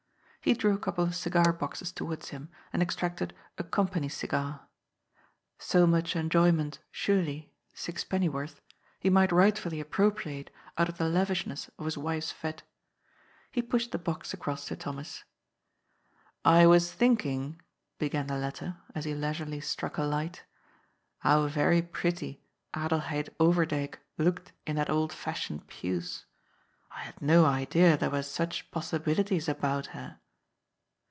He drew a couple of cigar boxes towards him, and extracted a "com pany cigar." So much enjoyment, surely — sixpennyworth — he might rightfully appropriate out of the lavishness of his wife's f^te. He pushed the box across to Thomas. " I was thinking," began the latter, as he leisurely struck a light, " how very pretty Adelheid Overdyk looked in that old fashioned puce. I had no idea there were such possi bilities about her."